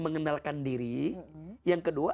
mengenalkan diri yang kedua